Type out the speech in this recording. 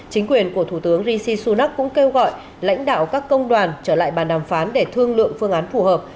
chính quyền của thủ tướng rishi sunak cũng kêu gọi lãnh đạo các công đoàn trở lại bàn đàm phán để thương lượng phương án phù hợp